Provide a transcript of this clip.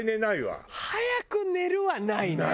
「早く寝る」はないね。